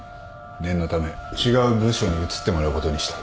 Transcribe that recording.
念のため違う部署に移ってもらうことにした。